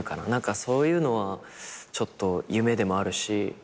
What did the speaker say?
そういうのはちょっと夢でもあるし。